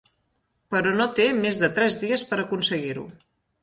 Però no té més que tres dies per aconseguir-ho.